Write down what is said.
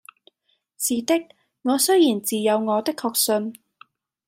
是的，我雖然自有我的確信，